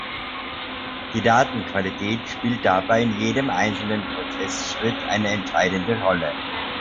Die Datenqualität spielt dabei in jedem einzelnen Prozessschritt eine entscheidende Rolle.